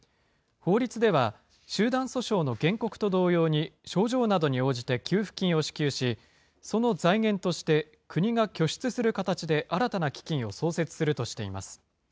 法律では、集団訴訟の原告と同様に、症状などに応じて給付金を支給し、その財源として国が拠出する形で新たな基金を創設するとしています。